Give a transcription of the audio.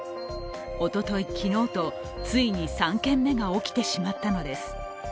おととい、昨日とついに３件目が起きてしまったのです。